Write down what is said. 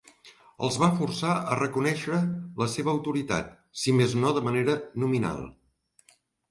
Els va forçar a reconèixer la seva autoritat, si més no de manera nominal.